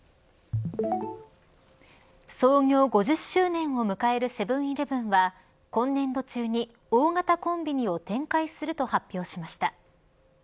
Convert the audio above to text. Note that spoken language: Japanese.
創業５０周年を迎えるセブン‐イレブンは今年度中に大型コンビニを展開すると発表しました。